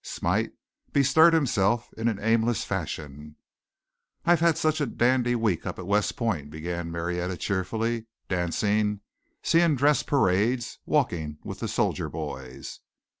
Smite bestirred himself in an aimless fashion. "I've just had such a dandy week up at West Point," began Marietta cheerfully, "dancing, seeing dress parades, walking with the soldier boys."